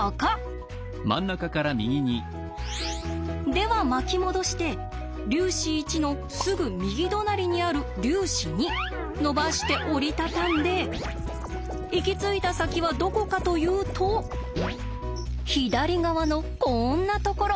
では巻き戻して粒子１のすぐ右隣にある粒子２のばして折り畳んで行き着いた先はどこかというと左側のこんなところ。